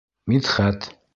Мидхәт.